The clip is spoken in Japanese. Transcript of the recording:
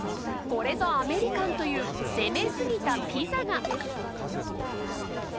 これぞアメリカンという攻めすぎたピザが。